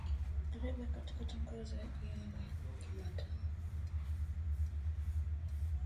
aribu katika matangazo ya jioni jumatano novemba tarehe kumi na saba mwezi